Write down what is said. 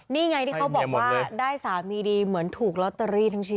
นี่ไงที่เขาบอกว่าได้สามีดีเหมือนถูกลอตเตอรี่ทั้งชิ้น